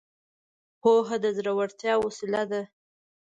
پوهه د زړورتيا وسيله ده.